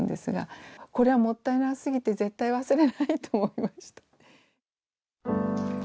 これはもったいなさ過ぎて絶対忘れないと思いました。